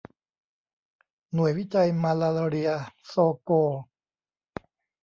หน่วยวิจัยมาลาเรียโซโกล